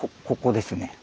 ここですね。